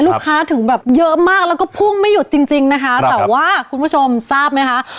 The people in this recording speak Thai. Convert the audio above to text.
ถึงแบบเยอะมากแล้วก็พุ่งไม่หยุดจริงจริงนะคะแต่ว่าคุณผู้ชมทราบไหมคะ